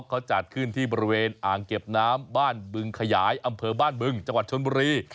เขาจัดขึ้นที่บริเวณอ่างเก็บน้ำบ้านบึงขยายอำเภอบ้านบึงจังหวัดชนบุรี